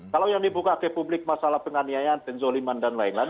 kalau yang dibuka ke publik masalah penganiayaan penzoliman dan lain lain